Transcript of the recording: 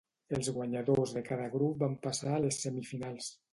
Els guanyadors de cada grup van passar a les semifinals.